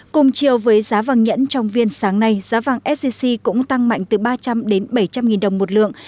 cùng chiều với giá vàng nhẫn trong viên sáng nay giá vàng sgc cũng tăng mạnh từ ba trăm linh bảy trăm linh nghìn đồng một lượng